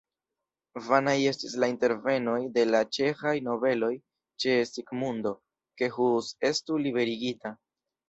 Vanaj estis la intervenoj de la ĉeĥaj nobeloj ĉe Sigmundo, ke Hus estu liberigita.